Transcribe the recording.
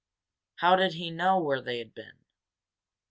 How did he know where they had been?